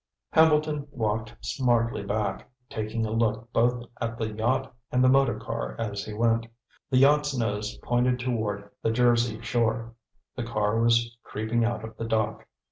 Hambleton walked smartly back, taking a look both at the yacht and the motor car as he went. The yacht's nose pointed toward the Jersey shore; the car was creeping out of the dock.